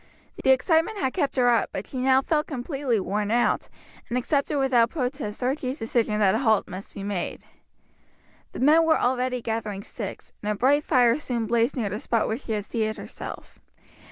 The excitement had kept her up; but she now felt completely worn out, and accepted without protest Archie's decision that a halt must be made. The men were already gathering sticks, and a bright fire soon blazed near the spot where she had seated herself.